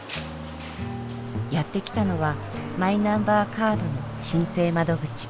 やって来たのはマイナンバーカードの申請窓口。